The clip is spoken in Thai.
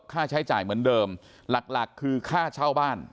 ค่าใช้จ่ายเหมือนเดิมหลักคือค่าเช่าบ้าน